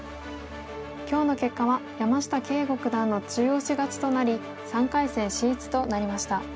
今日の結果は山下敬吾九段の中押し勝ちとなり３回戦進出となりました。